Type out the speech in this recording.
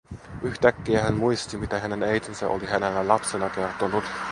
Yhtäkkiä hän muisti, mitä hänen äitinsä oli hänelle lapsena kertonut.